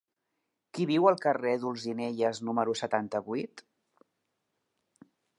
Qui viu al carrer d'Olzinelles número setanta-vuit?